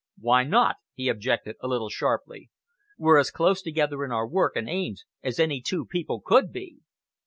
"Why not?" he objected, a little sharply. "We're as close together in our work and aims as any two people could be.